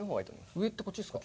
上ってこっちですか？